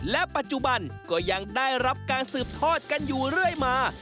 และปัจจุบันก็ยังได้รับการสืบทอดกันอยู่เรื่อยมา